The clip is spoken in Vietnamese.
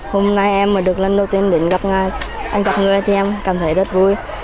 hôm nay em được lần đầu tiên đến gặp anh gặp người thì em cảm thấy rất vui